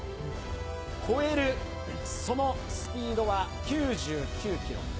超えるそのスピードは９９キロ。